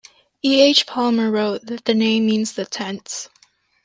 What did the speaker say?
E. H. Palmer wrote that the name means "The tents".